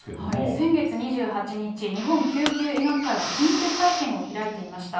先月２８日、日本救急医学会は緊急会見を開いていました。